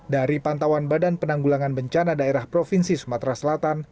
dari pantauan badan penanggulangan bencana daerah provinsi sumatera selatan